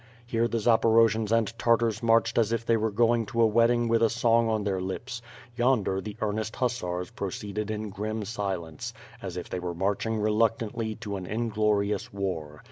Here the Zaporojians and Tartars marched as if they were going to a wedding with a song on their lips; yonder the earnest hussars proceeded in grim silence, as if they were marching reluctantly to an inglorious war.